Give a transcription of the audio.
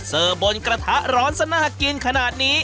เสิร์ฟบนกระทะร้อนสนากินขนาดนี้